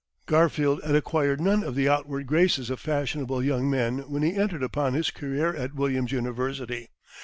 Garfield had acquired none of the outward graces of fashionable young men when he entered upon his career at Williams' University.